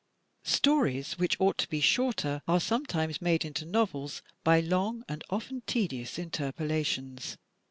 Stories which ought to be shorter are sometimes made into novels by long and often tedious interpolations.